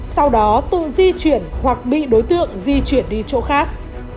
sau đó tự di chuyển hoặc bị đối tượng di chuyển đi chỗ khác